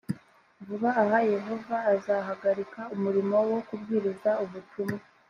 vuba aha yehova azahagarika umurimo wo kubwiriza ubutumwa